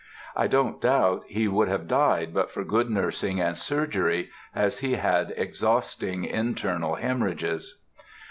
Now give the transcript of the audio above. I don't doubt he would have died but for good nursing and surgery, as he had exhausting internal hemorrhages.